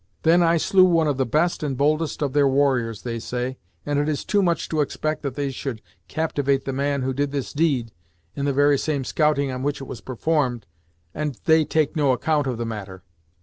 Then, I slew one of the best and boldest of their warriors, they say, and it is too much to expect that they should captivate the man who did this deed, in the very same scouting on which it was performed, and they take no account of the matter.